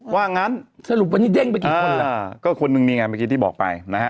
ว่างั้นสรุปวันนี้เด้งไปกี่คนล่ะก็คนนึงนี่ไงเมื่อกี้ที่บอกไปนะฮะ